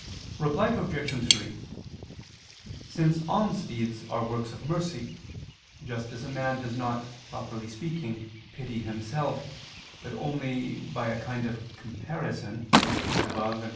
Reply Obj. 3: Since almsdeeds are works of mercy, just as a man does not, properly speaking, pity himself, but only by a kind of comparison, as stated above (Q.